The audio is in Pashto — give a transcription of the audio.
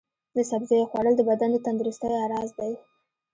د سبزیو خوړل د بدن د تندرستۍ راز دی.